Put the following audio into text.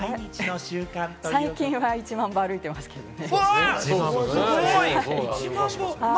最近は１万歩、歩いてますけれどもね。